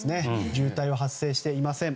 渋滞は発生していません。